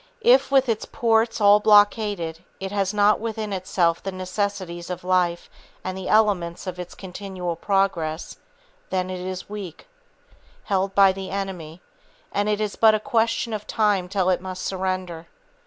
If, with its ports all blockaded it has not within itself the necessities of life and the elements of its continual progress then, it is weak, held by the enemy, and it is but a question of time till it must surrender.